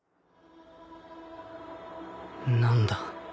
何だ？